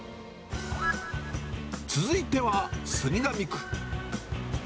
続いては、杉並区。